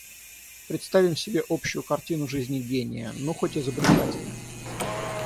Представим себе общую картину жизни гения, ну, хоть изобретателя.